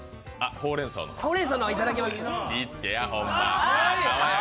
ほうれんそうの方、いただきます。